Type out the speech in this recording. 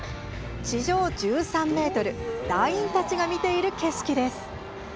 地上１３ｍ団員たちが見ている景色です。